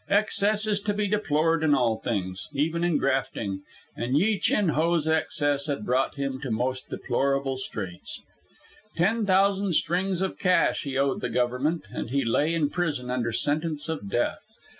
Excess is to be deplored in all things, even in grafting, and Yi Chin Ho's excess had brought him to most deplorable straits. Ten thousand strings of cash he owed the Government, and he lay in prison under sentence of death.